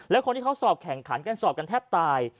และคนที่เขาสอบแข่งขันกันสอบกันแทบตาย